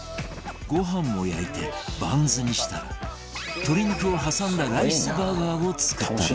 ご飯も焼いてバンズにしたら鶏肉を挟んだライスバーガーを作ったり